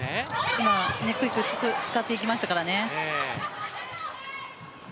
今、Ａクイックを使ってきましたからね。